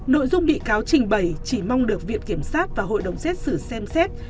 nội dung bị cáo trình bày chỉ mong được viện kiểm sát và hội đồng xét xử xem xét